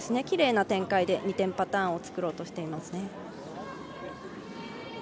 きれいな展開で２点パターンを作ろうとしています。